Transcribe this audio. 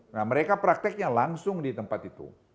nah mereka prakteknya langsung di tempat itu